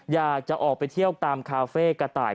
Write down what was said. อยากจะออกไปเที่ยวตามคาเฟ่กระต่าย